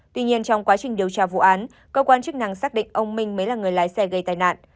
tuy nhiên trong quá trình điều tra vụ án cơ quan chức năng xác định ông minh mới là người lái xe gây tai nạn